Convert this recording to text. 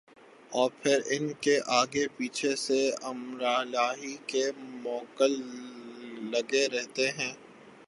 ان پران کے آگے پیچھے سے امرِالٰہی کے مؤکل لگے رہتے ہیں